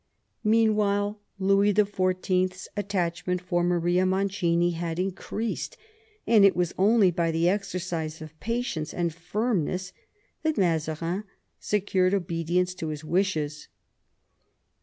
Meanwhile, Louis XIV. 's attachment for Maria Mancini had in creased, and it was only by the exercise of patience and firmness that Mazaiin secured obedience to his wishes.